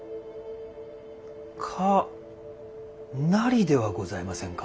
「可なり」ではございませんか。